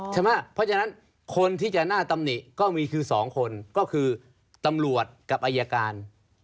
ใช่ไหมเพราะฉะนั้นคนที่จะน่าตำหนิก็มีคือ๒คนก็คือตำรวจกับอายการ